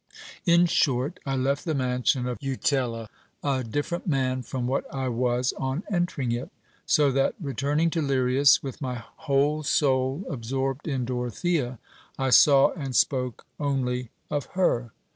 In short, I left the mansion of Jutella a different man from what I was on entering it : so that, returning to Lirias with my whole soul absorbed in Doro thea, I saw and spoke only of her.